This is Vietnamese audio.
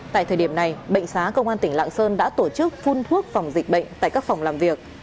tại thời điểm này bệnh xá công an tỉnh lạng sơn đã tổ chức phun thuốc phòng dịch bệnh tại các phòng làm việc